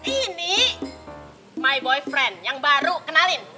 ini my boyfriend yang baru kenalin